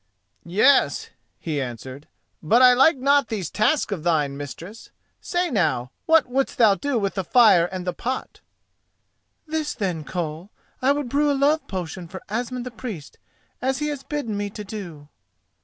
"Yes," he answered; "but I like not these tasks of thine, mistress. Say now, what wouldst thou do with the fire and the pot?" "This, then, Koll. I would brew a love potion for Asmund the Priest as he has bidden me to do."